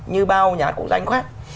như bao nhà hát cũng rãnh khoát